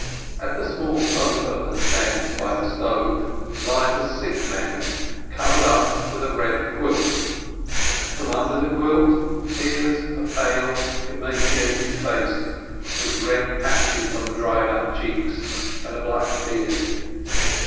On the small sofa that stands by the stove lies a sick man covered up with a red quilt, from under the quilt appears a pale, emaciated face, with red patches on the dried up cheeks and a black beard.